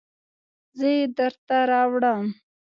زه یې درته راوړم